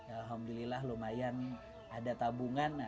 alhamdulillah lumayan ada tabungan